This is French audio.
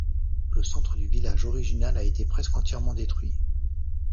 Le centre du village original a été presque entièrement détruit.